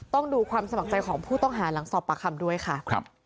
ต้องดูความสมัครใจของผู้ต้องหาหลังสอบปากคำด้วยค่ะ